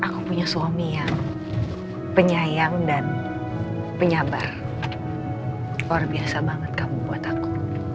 luar biasa banget kamu buat aku